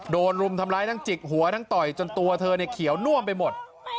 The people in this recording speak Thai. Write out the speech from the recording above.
รุมทำร้ายทั้งจิกหัวทั้งต่อยจนตัวเธอเนี่ยเขียวน่วมไปหมด